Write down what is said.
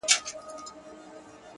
د سترگو د ملا خاوند دی;